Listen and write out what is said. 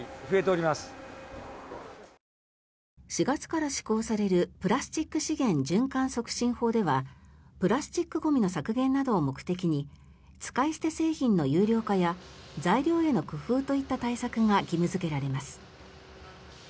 ４月から施行されるプラスチック資源循環促進法ではプラスチックゴミの削減などを目的に使い捨て製品の有料化や材料への工夫といった対策が義務付けられます。